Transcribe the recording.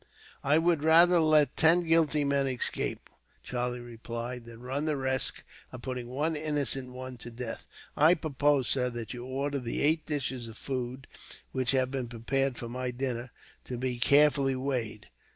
"I would rather let ten guilty men escape," Charlie replied, "than run the risk of putting one innocent one to death. I propose, sir, that you order the eight dishes of food, which have been prepared for my dinner, to be carefully weighed.